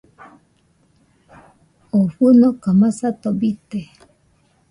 Oo fɨnoka masato bite.